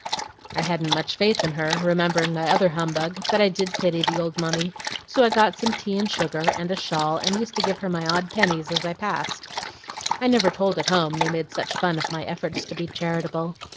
I hadn't much faith in her, remembering my other humbug, but I did pity the old mummy; so I got some tea and sugar, and a shawl, and used to give her my odd pennies as I passed. I never told at home, they made such fun of my efforts to be charitable.